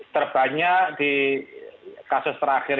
terbanyak di kasus terakhir